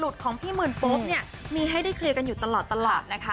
ลุลของพี่หมื่นโภษมีให้ได้เคลลียร์กันตลอดนะคะ